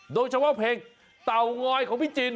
โดยชาวเพลงเตาก๊อยของพี่จิน